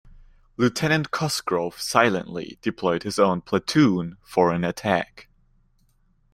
Lieutenant Cosgrove silently deployed his own platoon for an attack.